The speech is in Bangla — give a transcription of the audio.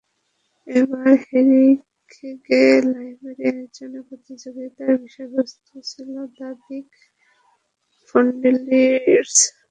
এবার হেরিংগে লাইব্রেরি আয়োজিত প্রতিযোগিতার বিষয়বস্তু ছিল দ্য বিগ ফ্রেন্ডলি রিড।